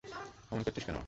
অমন করছিস কেন?